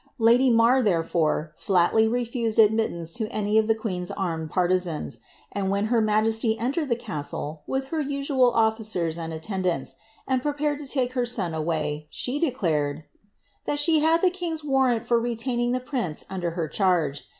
Lady Marr, therefore, flatly refused admittance to any of the queen's armed par tisans; and, when her majesty entered the castle, with her usual officers and attendants, and prepared to take her son away, she declared ^ that she had the king's warrant for retaining the prince under her chaigw* > Harleian MSS.